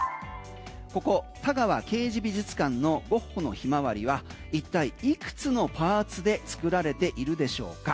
ここ、田川啓二美術館のゴッホの「ひまわり」は一体いくつのパーツで作られているでしょうか？